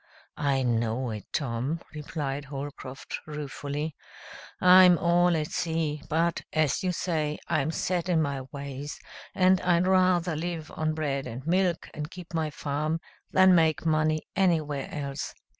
"I know it, Tom," replied Holcroft ruefully. "I'm all at sea; but, as you say, I'm set in my ways, and I'd rather live on bread and milk and keep my farm than make money anywhere else.